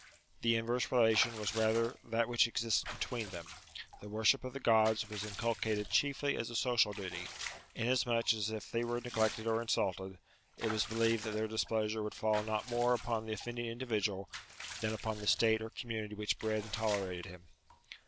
The inverse relation was rather that which existed between them ; the worship of the Gods was inculcated chiefly as a social duty, in asmuch as if they were neglected or insulted, it was believed that their displeasure would fall not more upon the offending individual than upon the state or com munity which bred and tolerated him.